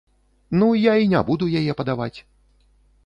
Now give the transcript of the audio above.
Ну, я і не буду яе падаваць!